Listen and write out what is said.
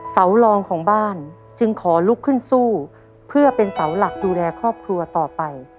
เสารองของบ้านจึงขอลุกขึ้นสู้เพื่อเป็นเสาหลักดูแลครอบครัวต่อไป